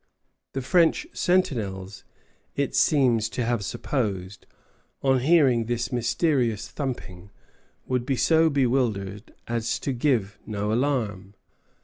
The French sentinels, it seems to have been supposed, on hearing this mysterious thumping, would be so bewildered as to give no alarm.